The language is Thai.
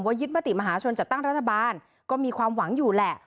ยึดมติมหาชนจัดตั้งรัฐบาลก็มีความหวังอยู่แหละ